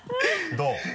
どう？